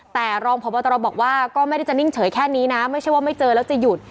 แต่รองพบตรบอกว่าก็ไม่ได้จะนิ่งเฉยแค่นี้นะไม่ใช่ว่าไม่เจอแล้วจะหยุด